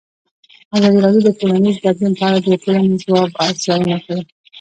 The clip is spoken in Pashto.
ازادي راډیو د ټولنیز بدلون په اړه د ټولنې د ځواب ارزونه کړې.